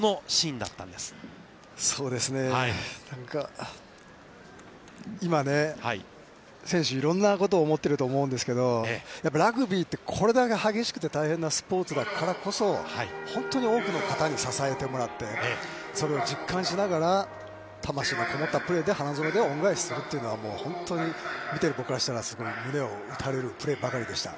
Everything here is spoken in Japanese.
なんか、今ね、選手はいろんなことを思っていると思うんですけど、やっぱりラグビーって、これだけ激しくて大変なスポーツだからこそ、本当に多くの方に支えてもらってそれを実感しながら魂のこもったプレーで花園で恩返しするというのは本当に見ているほうからしたら、すごい胸を打たれるプレーばかりでした。